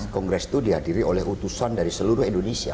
kongres itu dihadiri oleh utusan dari seluruh indonesia